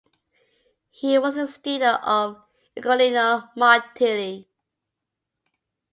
He was the student of Ugolino Martelli.